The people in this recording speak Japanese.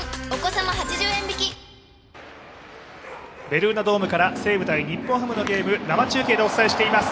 ベルーナドームから西武×日本ハムのゲーム生中継でお伝えしています。